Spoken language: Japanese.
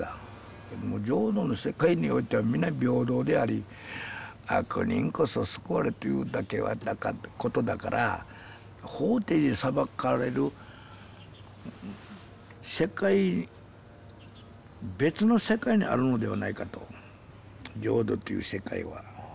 浄土の世界においては皆平等であり悪人こそ救われるというだけのことだから法で裁かれる世界別の世界にあるのではないかと浄土という世界は。